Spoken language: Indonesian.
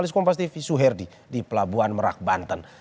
kompas tv suherdi di pelabuhan merak banten